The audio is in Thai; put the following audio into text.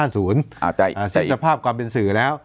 สิทธิภาพความเป็นสื่อแล้ว